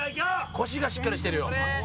腰がしっかりしてるよ。